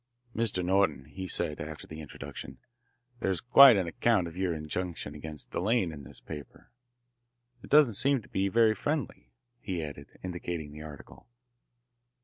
"Mr. Norton," he said, after the introduction, "there's quite an account of your injunction against Delanne in this paper. It doesn't seem to be very friendly," he added, indicating the article.